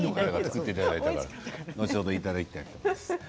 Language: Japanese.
後ほどいただきたいと思います。